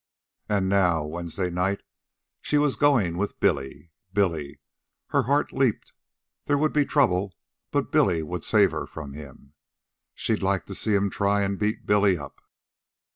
And now, Wednesday night, she was going with Billy. Billy! Her heart leaped. There would be trouble, but Billy would save her from him. She'd like to see him try and beat Billy up.